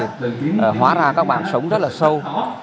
thì hóa ra các bạn sống rất là sâu